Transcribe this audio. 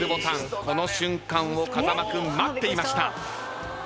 この瞬間を風間君待っていました。